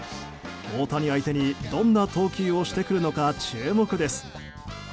大谷相手にどんな投球をしてくるのか注目です。